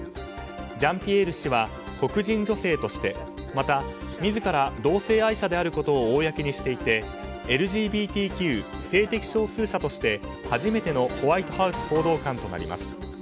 ジャンピエール氏は黒人女性としてまた、自ら同性愛者であることを公にしていてＬＧＢＴＱ・性的少数者として初めてのホワイトハウス報道官となります。